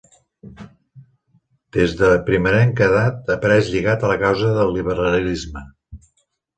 Des de primerenca edat apareix lligat a la causa del liberalisme.